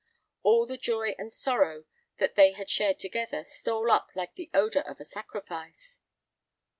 All the joy and sorrow that they had shared together stole up like the odor of a sacrifice.